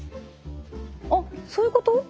あっそういうこと？